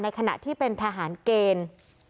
ขณะที่เป็นทหารเกณฑ์